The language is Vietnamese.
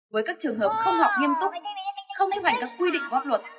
với các trường hợp không học nghiêm túc không chấp hành các quy định góp luật